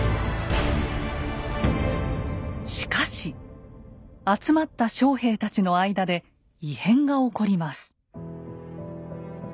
しかし集まった将兵たちの間で異変が起こります。